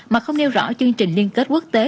mà không nêu rõ chương trình liên kết quốc tế